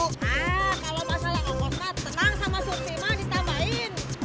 nah kalau masalah ongkosnya tenang sama surtima ditambahin